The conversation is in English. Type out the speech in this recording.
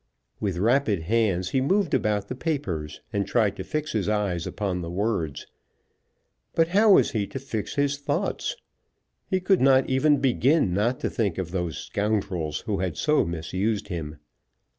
With rapid hands he moved about the papers, and tried to fix his eyes upon the words. But how was he to fix his thoughts? He could not even begin not to think of those scoundrels who had so misused him.